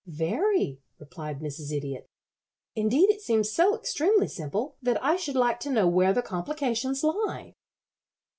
"Very," replied Mrs. Idiot. "Indeed, it seems so extremely simple that I should like to know where the complications lie."